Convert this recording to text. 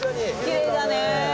きれいだね。